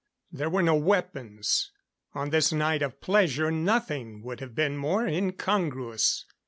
There were no weapons. On this night of pleasure nothing would have been more incongruous.